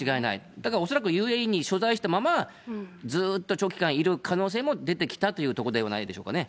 だから恐らくＵＡＥに所在したまま、ずっと長期間、いる可能性も出てきたというところではないでしょうかね。